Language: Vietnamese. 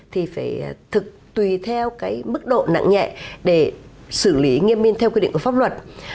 thì phải thực tùy theo cái mức độ nặng nhẹ để xử lý nghiêm minh theo quy định của pháp luật